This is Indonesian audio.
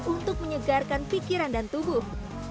untuk menyegarkan pikiran dan tubuh